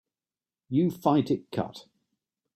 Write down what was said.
You fight it cut.